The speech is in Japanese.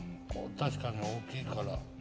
確かに大きいから。